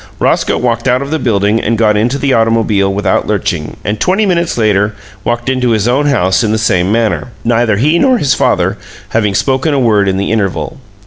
Roscoe walked out of the building and got into the automobile without lurching, and twenty minutes later walked into his own house in the same manner, neither he nor his father having spoken a word in the interval.